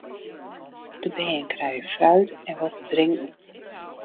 De bern krije fruit en wat te drinken.